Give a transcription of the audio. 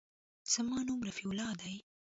زما نوم رفيع الله دى.